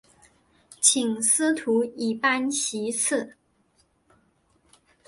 请从司徒以班徙次。